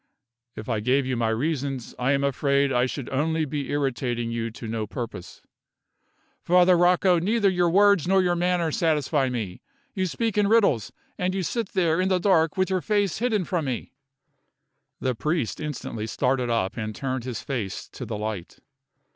"If I gave you my reasons, I am afraid I should only be irritating you to no purpose." "Father Rocco, neither your words nor your manner satisfy me. You speak in riddles; and you sit there in the dark with your face hidden from me " The priest instantly started up and turned his face to the light.